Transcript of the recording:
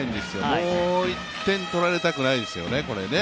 もう１点取られたくないですよね。